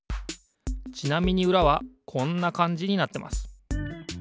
ちなみにうらはこんなかんじになってます。